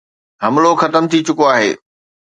حملو ختم ٿي چڪو آهي.